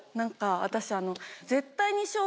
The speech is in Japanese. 私。